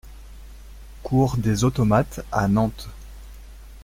Cour des Automates à Nantes